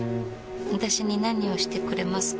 私に何をしてくれますか？